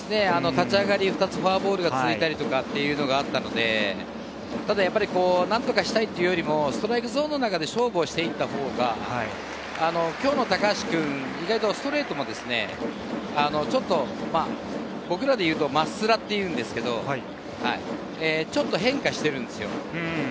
立ち上がり２つフォアボールが続いたりとかあったので、何とかしたいというよりも、ストライクゾーンの中で勝負していったほうが今日の高橋君は意外とストレートが僕らでいうと真っスラって言うんですけれど、ちょっと変化しているんですよ。